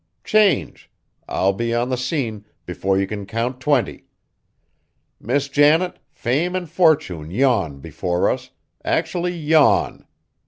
change! I'll be on the scene before you can count twenty. Miss Janet, fame and fortune yawn before us actually yawn.